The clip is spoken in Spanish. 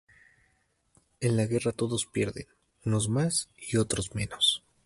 En la guerra todos pierden, unos más y otros menos".